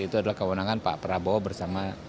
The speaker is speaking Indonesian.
itu adalah kewenangan pak prabowo bersama